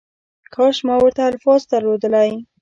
کاش ما ورته الفاظ درلودلای